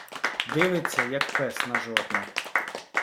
Дивиться, як пес на жорна.